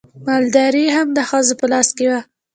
مالداري هم د ښځو په لاس کې وه.